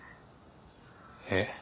えっ？